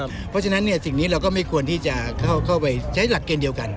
เพราะฉะนั้นสิ่งนี้เราก็ไม่ควรที่จะเข้าไปใช้หลักเกณฑ์เดียวกัน